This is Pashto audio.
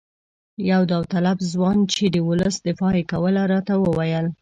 یو داوطلب ځوان چې د ولس دفاع یې کوله راته وویل.